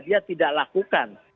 dia tidak lakukan